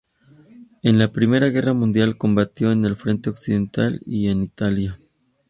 En la Primera Guerra Mundial combatió en el frente occidental y en Italia.